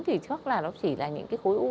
thì chắc là nó chỉ là những cái khối u